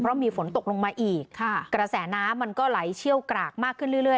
เพราะมีฝนตกลงมาอีกค่ะกระแสน้ำมันก็ไหลเชี่ยวกรากมากขึ้นเรื่อย